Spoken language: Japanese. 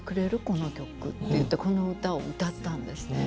この曲」って言ってこの歌を歌ったんですね。